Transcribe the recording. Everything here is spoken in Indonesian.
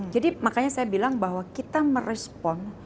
jadi makanya saya bilang bahwa kita merespon